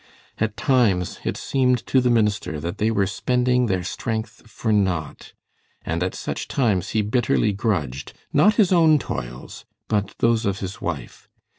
At times it seemed to the minister that they were spending their strength for naught, and at such times he bitterly grudged, not his own toils, but those of his wife.